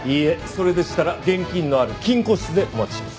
それでしたら現金のある金庫室でお待ちします。